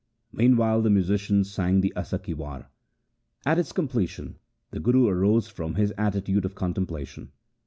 Meanwhile the musicians sang the Asa ki War. At its completion the Guru arose from his attitude of contemplation.